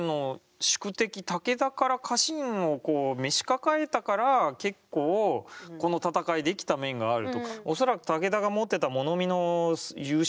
武田から家臣をこう召し抱えたから結構この戦いできた面があると。